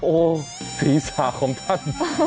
โอ้ทีสาของท่าน